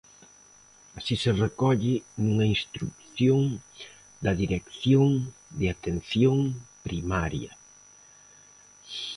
Así se recolle nunha instrución da dirección de Atención Primaria.